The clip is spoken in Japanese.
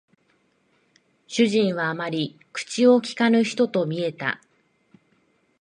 主人はあまり口を聞かぬ人と見えた